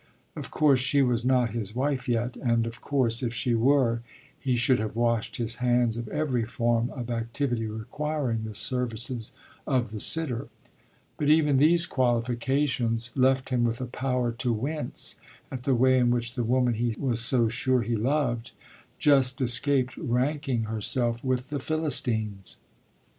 Of course she was not his wife yet, and of course if she were he should have washed his hands of every form of activity requiring the services of the sitter; but even these qualifications left him with a power to wince at the way in which the woman he was so sure he loved just escaped ranking herself with the Philistines.